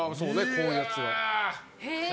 こういうやつが。